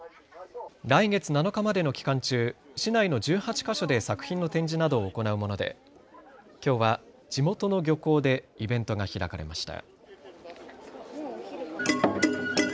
来月７日までの期間中、市内の１８か所で作品の展示などを行うものできょうは地元の漁港でイベントが開かれました。